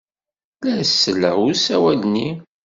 La as-selleɣ i usawal-nni.